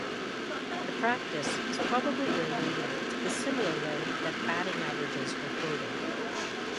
The practice is probably related to the similar way that batting averages are quoted.